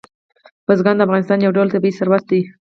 بزګان د افغانستان یو ډول طبعي ثروت دی.